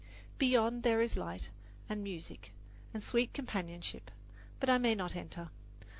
Beyond there is light, and music, and sweet companionship; but I may not enter.